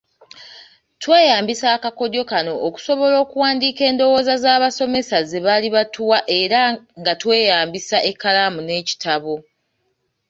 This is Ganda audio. Tweyaambisa akakodyo kano okusobola okuwandiika endowooza z'abasomesa ze baali batuwa era nga tweyambisa ekkalamu n'ekitabo.